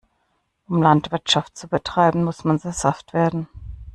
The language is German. Um Landwirtschaft zu betreiben, muss man sesshaft werden.